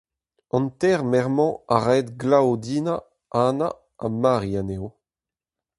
An teir merc'h-mañ a raed Glaodina, Anna ha Mari anezho.